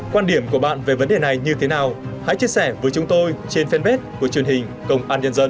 quan điểm của bạn về vấn đề này như thế nào hãy chia sẻ với chúng tôi trên fanpage của truyền hình công an nhân dân